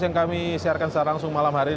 yang kami siarkan secara langsung malam hari